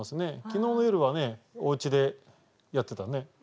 昨日の夜はおうちでやってたね。